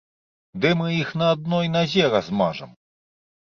Ды мы іх на адной назе размажам!